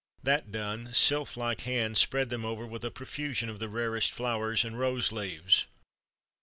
That done, sylph like hands spread them over with a profusion of the rarest flowers and rose leaves.